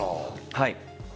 はい。